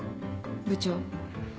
部長。